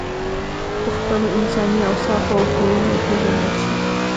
په خپلو انساني اوصافو او خویونو وپېژندل شې.